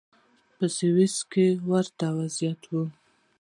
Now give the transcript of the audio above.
په سویس کې هم ورته وضعیت و.